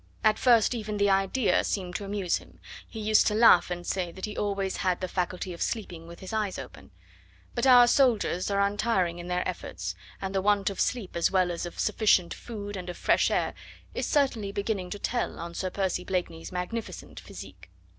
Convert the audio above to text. At first, even, the idea seemed to amuse him; he used to laugh and say that he always had the faculty of sleeping with his eyes open. But our soldiers are untiring in their efforts, and the want of sleep as well as of a sufficiency of food and of fresh air is certainly beginning to tell on Sir Percy Blakeney's magnificent physique.